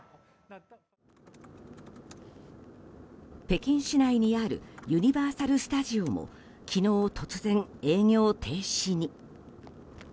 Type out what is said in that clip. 北京市内にあるユニバーサル・スタジオも昨日突然、営業停止に。